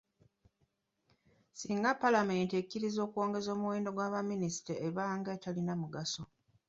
Singa Paalamenti ekkiriza okwongeza omuwendo gwa baminisita eba ng’etalina mugaso.